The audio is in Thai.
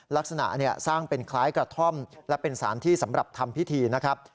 ลักษณะสร้างเป็นคล้ายกระท่อมและเป็นสารที่สำหรับทำพิธีนะครับ